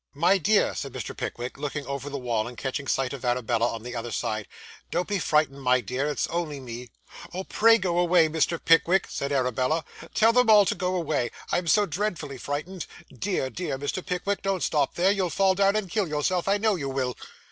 'My dear,' said Mr. Pickwick, looking over the wall, and catching sight of Arabella, on the other side, 'don't be frightened, my dear, it's only me.' 'Oh, pray go away, Mr. Pickwick,' said Arabella. 'Tell them all to go away. I am so dreadfully frightened. Dear, dear Mr. Pickwick, don't stop there. You'll fall down and kill yourself, I know you will.